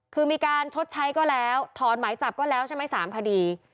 คือมีการชดใช้ก็แล้วถอนหมายจับก็แล้วใช่ไหม๓คดี